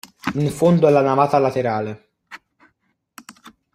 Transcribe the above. In fondo alla navata laterale.